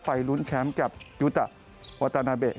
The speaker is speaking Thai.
ลุ้นแชมป์กับยุตะวาตานาเบะ